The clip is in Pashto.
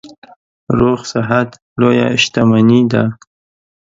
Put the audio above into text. روغ صحت لویه شتنمي ده.